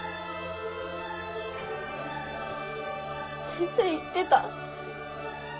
先生言ってた。